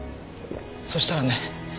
そしたらね。